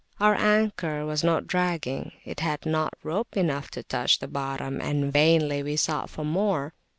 Our anchor was not dragging; it had not rope enough to touch the bottom, and vainly we sought for more.